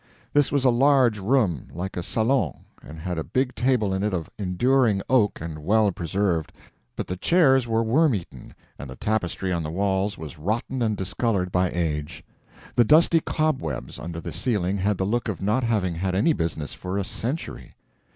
This was a large room, like a salon, and had a big table in it of enduring oak and well preserved; but the chair were worm eaten and the tapestry on the walls was rotten and discolored by age. The dusty cobwebs under the ceiling had the look of not having had any business for a century.